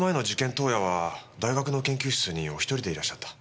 当夜は大学の研究室にお一人でいらっしゃった。